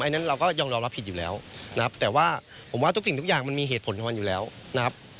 นั้นเราก็ยอมรับผิดอยู่แล้วนะครับแต่ว่าผมว่าทุกสิ่งทุกอย่างมันมีเหตุผลของมันอยู่แล้วนะครับ